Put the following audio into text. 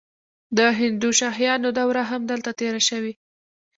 د هندوشاهیانو دوره هم دلته تیره شوې